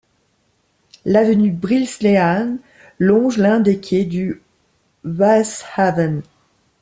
L'avenue Brielselaan longe l'un des quais du Maashaven.